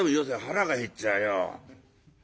腹が減っちゃうよ」。